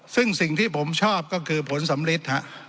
ซึ่งสิ่งที่ผมชอบก็คือผลสำลิดฮะ